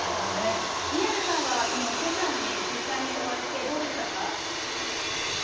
宮根さんはこのチェさんに実際にお会いしてどうでしたか？